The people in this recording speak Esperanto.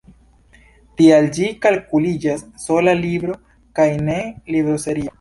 Tial ĝi kalkuliĝas sola libro kaj ne libroserio.